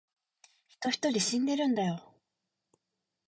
人一人死んでるんだよ